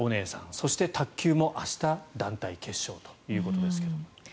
そして卓球も、明日団体決勝ということですが。